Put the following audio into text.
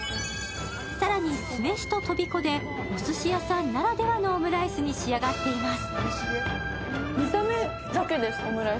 更に酢飯ととびこでおすし屋さんならではのオムライスに仕上がっています。